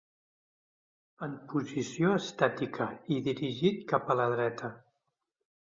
En posició estàtica i dirigit cap a la dreta.